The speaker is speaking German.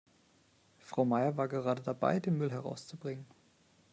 Frau Meier war gerade dabei, den Müll herauszubringen.